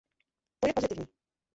To je pozitivní.